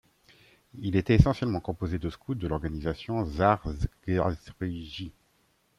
Il était essentiellement composé de Scouts de l'organisation Szare Szeregi.